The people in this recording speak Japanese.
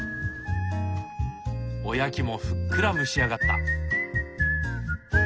おやきもふっくら蒸し上がった。